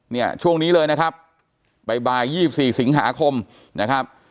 เนี่ยช่วงนี้เลยนะครับบ่าย๒๔สิงหาคมนะครับ